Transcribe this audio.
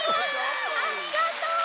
ありがとう！